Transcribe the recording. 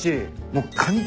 もう。